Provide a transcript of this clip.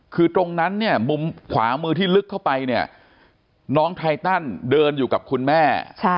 คือตรงนั้นเนี่ยมุมขวามือที่ลึกเข้าไปเนี่ยน้องไทตันเดินอยู่กับคุณแม่